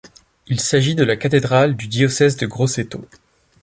Il s'agit de la cathédrale du diocèse de Grosseto.